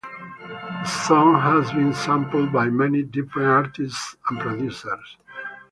The song has been sampled by many different artists and producers.